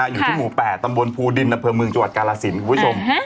อยู่ที่หมู่๘ตำบลภูดินนำเผลอเมืองจังหวัดกาลสิน